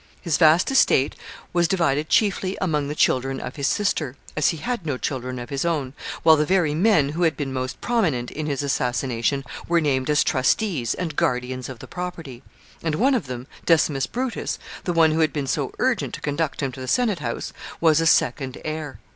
His vast estate was divided chiefly among the children of his sister, as he had no children of his own, while the very men who had been most prominent in his assassination were named as trustees and guardians of the property; and one of them, Decimus Brutus, the one who had been so urgent to conduct him to the senate house, was a second heir.